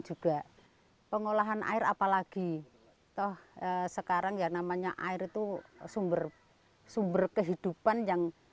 juga pengolahan air apalagi toh sekarang ya namanya air itu sumber sumber kehidupan yang